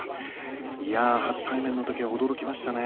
いや初対「麺」の時は驚きましたね。